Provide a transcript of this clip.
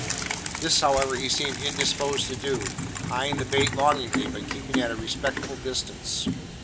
This, however, he seemed indisposed to do; eyeing the bait longingly, but keeping at a respectful distance.